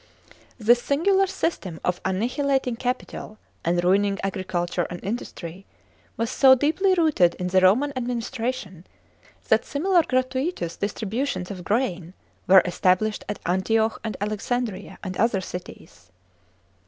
This singular system of annihilating capital, and ruining agriculture and industry, was so deeply rooted in the Roman administration, that similar gratuitous distributions of grain were established at Antioch and Alexandria, and other cities."